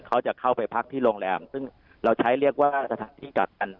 เขาจะเข้าไปพักที่โรงแรมซึ่งเราใช้เรียกว่าสถานที่กักกัน